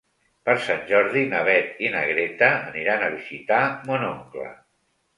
Per Sant Jordi na Beth i na Greta aniran a visitar mon oncle.